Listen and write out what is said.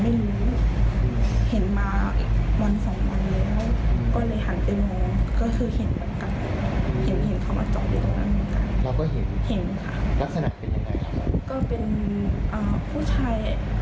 ไม่เจอว่าก่อนของต้องค่ะคือถ้าจะเป็นคนแปลกหน้า